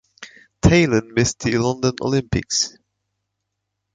Taylan missed the London Olympics.